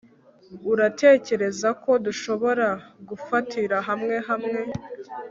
Uratekereza ko dushobora gufatira hamwe hamwe